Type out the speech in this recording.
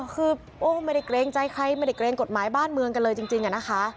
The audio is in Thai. คือโอ้ไม่ได้เกรงใจใครไม่ได้เกรงกฎหมายบ้านเมืองกันเลยจริงอะนะคะ